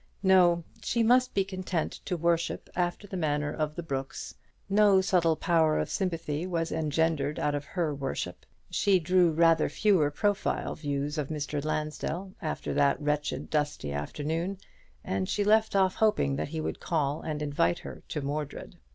No, she must be content to worship after the manner of the brooks. No subtle power of sympathy was engendered out of her worship. She drew rather fewer profile views of Mr. Lansdell after that wretched dusty afternoon, and she left off hoping that he would call and invite her to Mordred.